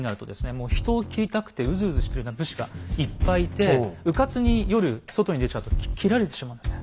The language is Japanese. もう人を斬りたくてうずうずしてるような武士がいっぱいいてうかつに夜外に出ちゃうと斬られてしまうんですね。